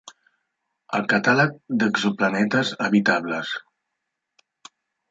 El catàleg d'exoplanetes habitables.